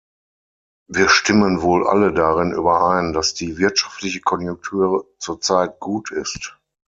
Wir stimmen wohl alle darin überein, dass die wirtschaftliche Konjunktur zur Zeit gut ist.